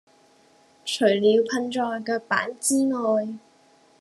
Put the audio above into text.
除了噴在腳板之外